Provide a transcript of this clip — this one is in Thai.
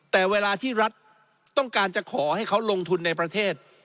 แต่เวลาที่รัฐต้องการจะขอให้เขาลงทุนในประเทศ